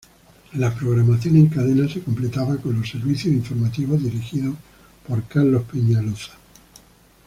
La programación en cadena se completaba con los servicios informativos, dirigidos por Carlos Peñaloza.